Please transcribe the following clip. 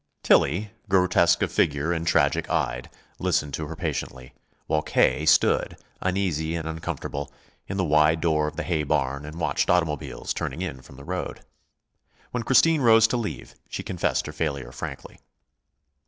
Tillie, grotesque of figure and tragic eyed, listened to her patiently, while K. stood, uneasy and uncomfortable, in the wide door of the hay barn and watched automobiles turning in from the road. When Christine rose to leave, she confessed her failure frankly.